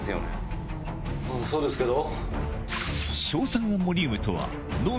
そうですけど。